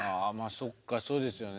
そっかそうですよね。